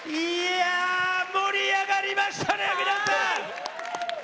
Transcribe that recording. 盛り上がりましたね、皆さん！